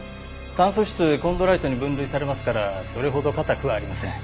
炭素質コンドライトに分類されますからそれほど硬くはありません。